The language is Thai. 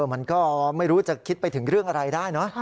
มันก็ไม่รู้จะคิดไปถึงเรื่องอะไรได้เนอะ